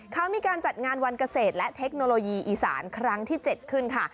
เขามีการจัดงานวันเกษตรและเทคโนโลยีอีสานครั้งที่๗ขึ้นค่ะ